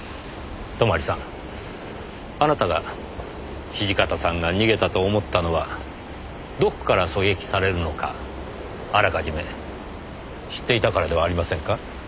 泊さんあなたが土方さんが逃げたと思ったのはどこから狙撃されるのかあらかじめ知っていたからではありませんか？